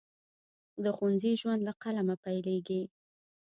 د ښوونځي ژوند له قلمه پیلیږي.